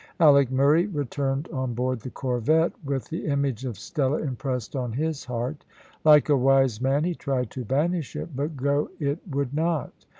Alick Murray returned on board the corvette with the image of Stella impressed on his heart. Like a wise man he tried to banish it, but go it would not.